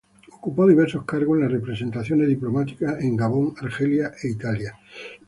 Ocupó diversos cargos en la representaciones diplomáticas en Gabón, Argelia e Italia.